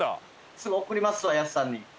すぐ送りますわ、安さんに。